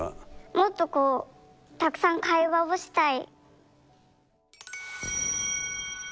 もっとこうたくさん会話をしたい。